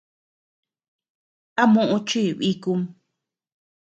¿A muʼu chii bikum?